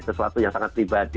sesuatu yang sangat pribadi